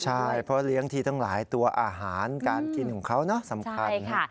ใช่เพราะเลี้ยงที่เต็มหลายตัวอาหารการกินของเขาเนอะ